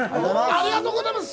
ありがとうございます！